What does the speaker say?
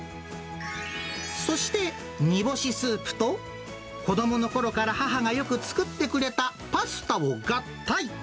そして、煮干しスープと子どものころから母がよく作ってくれたパスタを合体。